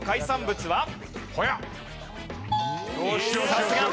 さすが！